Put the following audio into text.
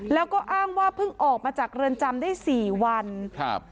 แล้วก็อ้างว่าเพิ่งออกมาจากเรือนจำได้สี่วันครับ